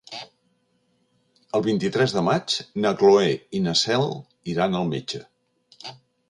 El vint-i-tres de maig na Cloè i na Cel iran al metge.